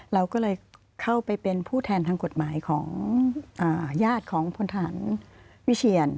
เราก็เลยเข้าไปเป็นผู้แทนทางกฎหมายของญาติของพลฐานวิเชียน